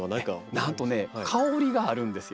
なんとね香りがあるんですよ。